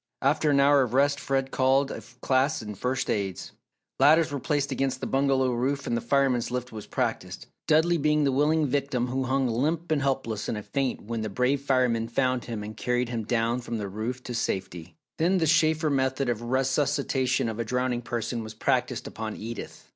After an hour of rest, Fred called a class in First Aids. Ladders were placed against the bungalow roof and the Fireman's Lift was practised Dudley being the willing victim who hung limp and helpless in a faint when the brave fireman found him and carried him down from the roof to safety. Then the Shaefer method of resuscitation of a drowning person was practised upon Edith.